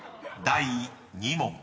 第２問］